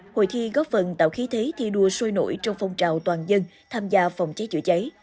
hội thi góp phần tạo khí thế thi đua sôi nổi trong phong trào toàn dân tham gia phòng cháy chữa cháy